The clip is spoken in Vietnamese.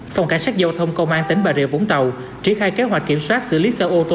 phòng cảnh sát giao thông công an tỉnh bà rịa vũng tàu triển khai kế hoạch kiểm soát xử lý xe ô tô